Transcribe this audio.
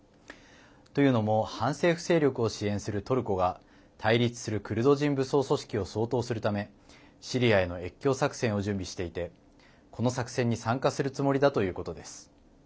というのも反政府勢力を支援するトルコが対立するクルド人武装組織を掃討するためシリアへの越境作戦を準備していてこの作戦に参加するつもりだということです。